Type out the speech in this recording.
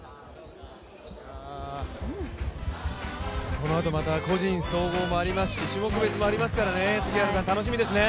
このあとまた個人総合もありますし、種目別もありますから楽しみですね。